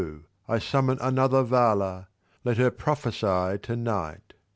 I summon another Vala let her prophesy to night.